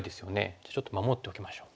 じゃあちょっと守っておきましょう。